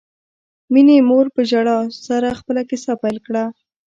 مينې مور په ژړا سره خپله کیسه پیل کړه